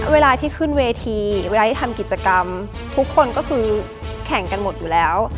เวลาที่ขึ้นเวทีเวลาที่ทำกิจกรรมทุกคนก็คือแข่งกันหมดอยู่แล้ว